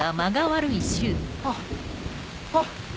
あっあっ。